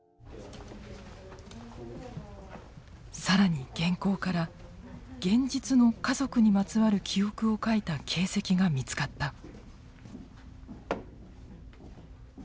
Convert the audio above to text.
更に原稿から現実の家族にまつわる記憶を書いた形跡が見つかった。